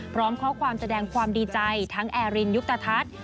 พร้อมข้อความแสดงความดีใจทั้งแอรินยุคตทัศน์